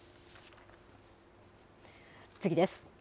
次です。